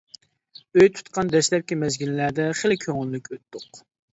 ئۆي تۇتقان دەسلەپكى مەزگىللەردە خېلى كۆڭۈللۈك ئۆتتۇق.